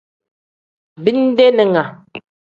Bindeninga.